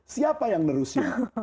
siapa yang nerusin